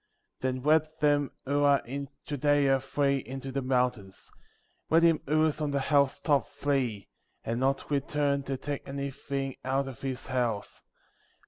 13. Then let them who are in Judea flee into the mountains ; 14. Let him who is on the housetop flee, and not return to take anything out of his house; 15.